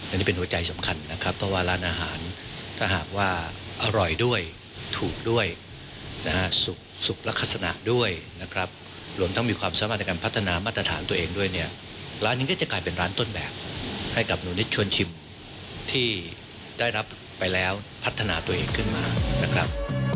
อันนี้เป็นหัวใจสำคัญนะครับเพราะว่าร้านอาหารถ้าหากว่าอร่อยด้วยถูกด้วยนะฮะสุกลักษณะด้วยนะครับรวมทั้งมีความสามารถในการพัฒนามาตรฐานตัวเองด้วยเนี่ยร้านนี้ก็จะกลายเป็นร้านต้นแบบให้กับหนูนิดชวนชิมที่ได้รับไปแล้วพัฒนาตัวเองขึ้นมานะครับ